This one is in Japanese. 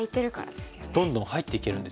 どんどん入っていけるんですよね。